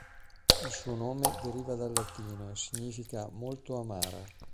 Il suo nome deriva dal latino e significa "molto amara".